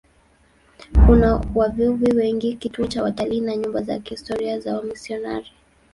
Una wavuvi wengi, kituo cha watalii na nyumba za kihistoria za wamisionari.